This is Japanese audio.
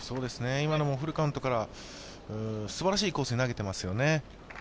今のもフルカウントから、すばらしいコースに投げていますよね。